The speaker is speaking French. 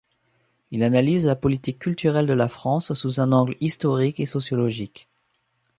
Il analyse la politique culturelle de la France sous un angle historique et sociologique.